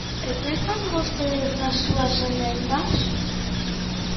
¿E que fan vostedes nas súas emendas?